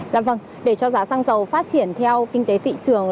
dạ vâng để cho giá xăng dầu phát triển theo kinh tế thị trường